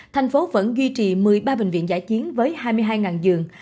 tp hcm vẫn duy trì một mươi ba bệnh viện giải chiến với hai mươi hai giường